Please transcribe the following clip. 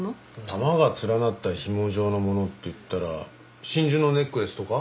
玉が連なった紐状のものっていったら真珠のネックレスとか？